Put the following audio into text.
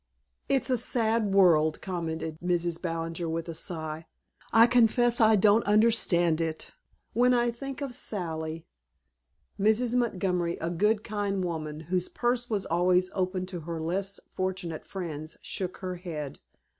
"It's a sad world," commented Mrs. Ballinger with a sigh. "I confess I don't understand it. When I think of Sally " Mrs. Montgomery, a good kind woman, whose purse was always open to her less fortunate friends, shook her head.